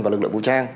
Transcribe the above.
và lực lượng vũ trang